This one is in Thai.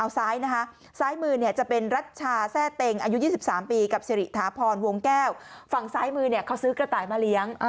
สาธารณะพรฮวงแก้วฝั่งซ้ายมือเขาซื้อกระต่ายมาเลี้ยง